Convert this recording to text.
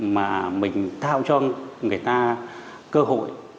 mà mình thao cho người ta cơ hội